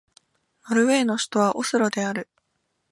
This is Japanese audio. ノルウェーの首都はオスロである